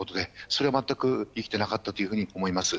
それは全く生きてなかったと思います。